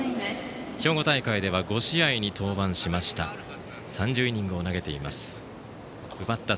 兵庫大会では５試合に登板しました。